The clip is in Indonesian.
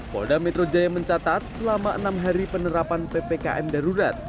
polda metro jaya mencatat selama enam hari penerapan ppkm darurat